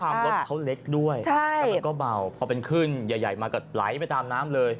ด้วยความรถเขาเล็กด้วยมันก็เบาพอเป็นคลื่นใหญ่มาก็ไหลไปตามน้ำเลย